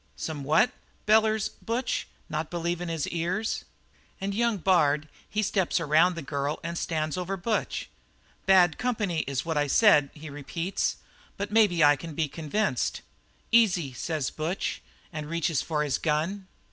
"'Some what?' bellers Butch, not believin' his ears. "And young Bard, he steps around the girl and stands over Butch. "'Bad company is what I said,' he repeats, 'but maybe I can be convinced.' "'Easy,' says Butch, and reaches for his gun.